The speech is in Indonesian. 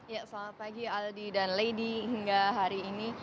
ya selamat pagi aldi dan lady hingga hari ini